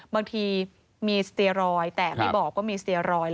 บางทีมีสเตียรอยด์แต่ไม่บอกว่ามีสเตียรอยด